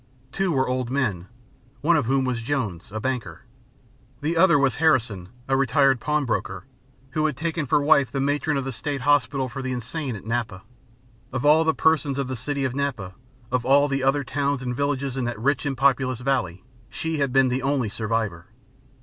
Two were old men, one of whom was Jones, a banker. The other was Harrison, a retired pawnbroker, who had taken for wife the matron of the State Hospital for the Insane at Napa. Of all the persons of the city of Napa, and of all the other towns and villages in that rich and populous valley, she had been the only survivor.